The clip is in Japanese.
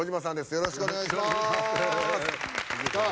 よろしくお願いします。